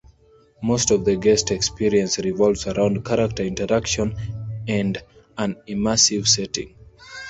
Most of the guest experience revolves around character interaction and an immersive setting.